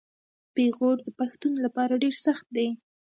پېغور د پښتون لپاره ډیر سخت دی.